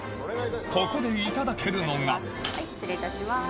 ここでいただけるのが失礼いたします。